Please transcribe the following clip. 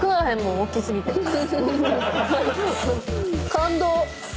感動。